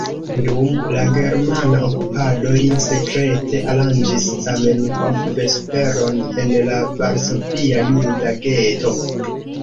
Dum la germana okupado li sekrete aranĝis Zamenhof-vesperon en la Varsovia juda geto.